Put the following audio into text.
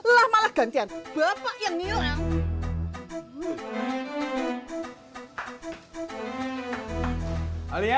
lah malah gantian bapak yang hilang